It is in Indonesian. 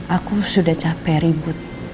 aku sudah capek ribut